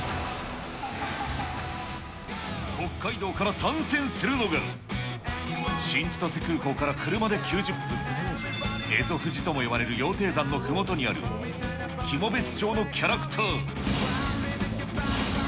北海道から参戦するのが、新千歳空港から車で９０分、蝦夷富士とも呼ばれる羊蹄山のふもとにある、喜茂別町のキャラクター。